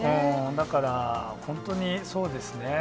だから、本当にそうですね。